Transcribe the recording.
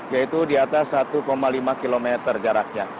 yaitu di atas satu lima km jaraknya